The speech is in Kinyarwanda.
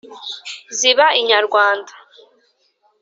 ziba inyarwanda.